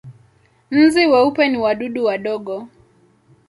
Nzi weupe ni wadudu wadogo.